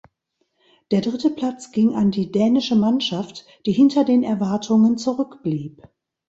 Der dritte Platz ging an die dänische Mannschaft, die hinter den Erwartungen zurückblieb.